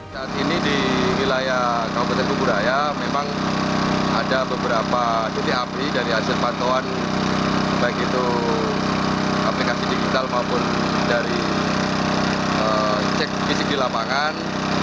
saat ini di wilayah kabupaten kuburaya memang ada beberapa titik api dari hasil pantauan baik itu aplikasi digital maupun dari cek fisik di lapangan